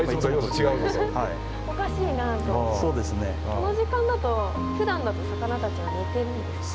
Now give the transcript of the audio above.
この時間だとふだんだと魚たちは寝てるんですか？